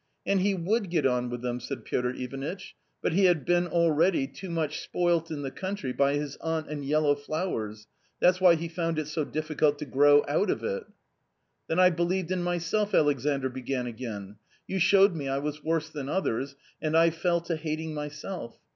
" And he would get on with them," said Piotr Ivanitch, " but he had been already too much spoilt in the country by his aunt and yellow flowers ; that's why he found it so difficult to grow out of it." " Then I believed in myself," Alexandr began again ;" you showed me I was worse than others, and I fell to hating myself.